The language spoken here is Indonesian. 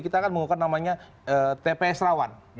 kita akan mengukur namanya tps rawan